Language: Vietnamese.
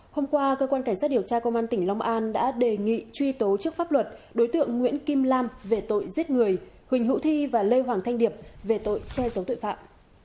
hôm qua cơ quan cảnh sát điều tra công an tỉnh long an đã đề nghị truy tố trước pháp luật đối tượng nguyễn kim lam về tội giết người huỳnh hữu thi và lê hoàng thanh điệp về tội che giấu tội phạm